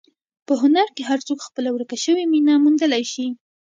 په هنر کې هر څوک خپله ورکه شوې مینه موندلی شي.